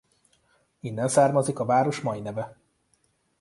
Innen származik a város mai neve.